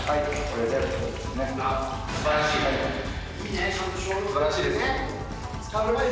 すばらしい。